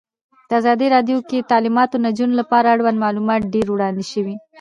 په ازادي راډیو کې د تعلیمات د نجونو لپاره اړوند معلومات ډېر وړاندې شوي.